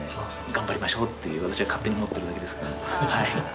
頑張りましょうっていう私が勝手に思ってるだけですが。